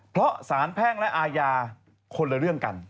เพราะสารแพ่งและอาญาคนละเรื่องกัน